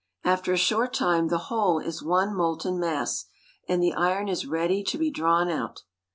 After a short time the whole is one molten mass, and the iron is ready to be drawn out.